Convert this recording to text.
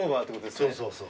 そうそうそう。